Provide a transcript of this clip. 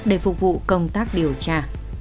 để phục vụ công tác điều tra